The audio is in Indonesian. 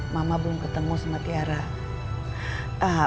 mama belum ketemu sama tiara